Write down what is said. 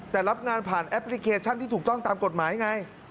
แต่รับงานผ่านแอปพลิเคชันที่ถูกต้องตามกฎหมายไง